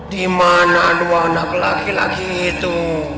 dimana dua anak laki laki itu